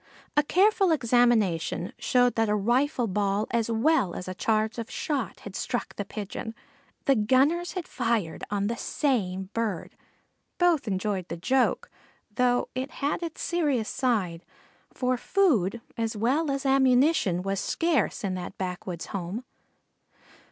A careful examination showed that a rifle ball as well as a charge of shot had struck the Pigeon. The gunners had fired on the same bird. Both enjoyed the joke, though it had its serious side, for food as well as ammunition was scarce in that backwoods home.